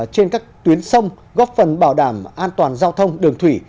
trên các tuyến sông góp phần bảo đảm an toàn giao thông đường thủy